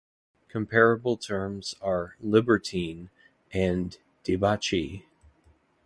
Comparable terms are "libertine" and "debauchee".